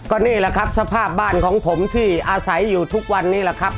ก็นี่แหละครับสภาพบ้านของผมที่อาศัยอยู่ทุกวันนี้แหละครับ